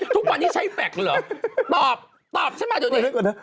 ทุกวันนี้ใช้แฟคเหรอตอบตอบฉันมาอยู่นี่เดี๋ยวก่อนนะ